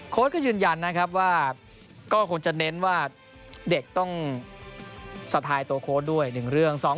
ก็ยืนยันนะครับว่าก็คงจะเน้นว่าเด็กต้องสะทายตัวโค้ชด้วย๑เรื่อง